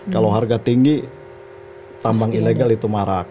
kalau harga tinggi tambang ilegal itu marak